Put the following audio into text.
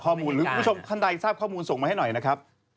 หรือคุณผู้ชมท่านใดทราบข้อมูลส่งมาให้หน่อยนะครับ